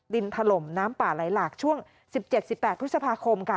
ถล่มน้ำป่าไหลหลากช่วง๑๗๑๘พฤษภาคมค่ะ